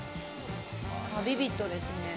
ビビッドですね。